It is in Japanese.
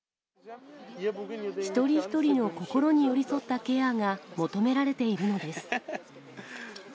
一人一人の心に寄り添ったケアが、求められているのです。